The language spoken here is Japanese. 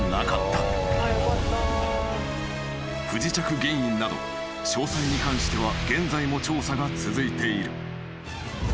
［不時着原因など詳細に関しては現在も調査が続いている］